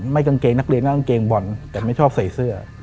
กางเกงนักเรียนและกางเกงบอลแต่ไม่ชอบใส่เสื้อ